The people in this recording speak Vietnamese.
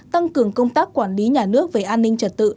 tăng cường công tác quản lý nhà nước về an ninh trật tự